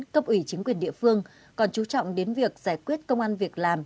cấp ủy chính quyền địa phương còn chú trọng đến việc giải quyết công an việc làm